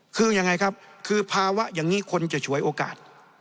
คือยังไงครับคือภาวะอย่างนี้คนจะฉวยโอกาส